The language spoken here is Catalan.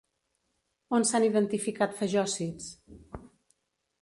On s'han identificat fagòcits?